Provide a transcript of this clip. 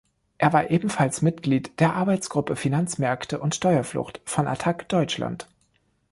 Er war ebenfalls Mitglied der Arbeitsgruppe "Finanzmärkte und Steuerflucht" von Attac Deutschland.